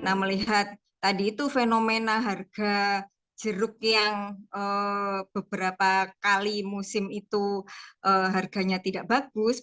nah melihat tadi itu fenomena harga jeruk yang beberapa kali musim itu harganya tidak bagus